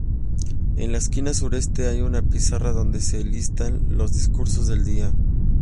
En la esquina sureste hay una pizarra donde se listan los discursos del día.